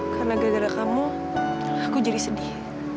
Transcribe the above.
karena gara gara kamu aku jadi sedih